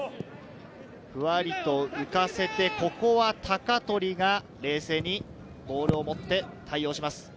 ふわりと浮かせて、ここは鷹取が冷静にボールを持って対応します。